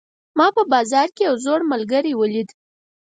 ما په بازار کې یو زوړ ملګری ولید